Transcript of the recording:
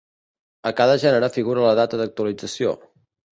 A cada gènere figura la data d’actualització.